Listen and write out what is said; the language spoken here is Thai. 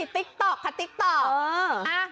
ติ๊กต๊อกค่ะติ๊กต๊อก